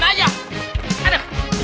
kayaknya nyangkut tadi